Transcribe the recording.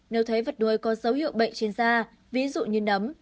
nếu thấy vật đuôi có dấu hiệu bệnh trên da ví dụ như nấm